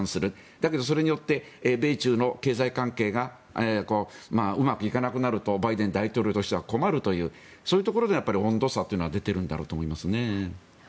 だけどそれによって米中の経済関係がうまくいかなくなるとバイデン大統領としては困るというそういうところの温度差というのは出てると思いますね。